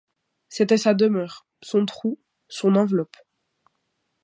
C'était sa demeure, son trou, son enveloppe.